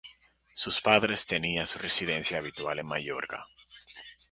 Sus padres tenía su residencia habitual en Mayorga.